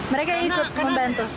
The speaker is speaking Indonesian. mereka ikut membantu